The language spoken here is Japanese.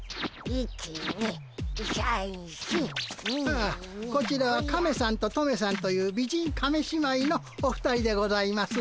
ああこちらはカメさんとトメさんという美人亀姉妹のお二人でございます。